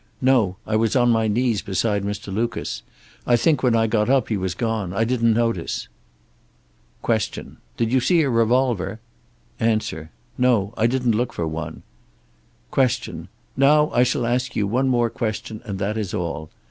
"No. I was on my knees beside Mr. Lucas. I think when I got up he was gone. I didn't notice." Q. "Did you see a revolver?" A. "No. I didn't look for one." Q. "Now I shall ask you one more question, and that is all.